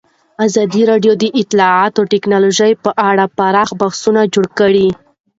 ازادي راډیو د اطلاعاتی تکنالوژي په اړه پراخ بحثونه جوړ کړي.